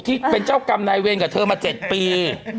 ที่เป็นเจ้ากรรมนายเวรกับเธอมา๗ปี